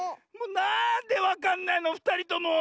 なんでわかんないのふたりとも！